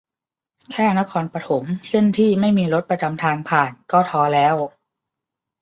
แค่นครปฐมเส้นที่ไม่มีรถประจำทางผ่านก็ท้อแล้ว